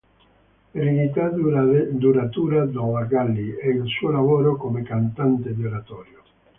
Eredità duratura della Galli è il suo lavoro come cantante di oratorio.